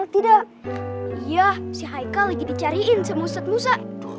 tidak iya si haikal lagi dicariin semuset musa